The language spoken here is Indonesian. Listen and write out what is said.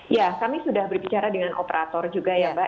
ya kami sudah berbicara dengan operator juga ya mbak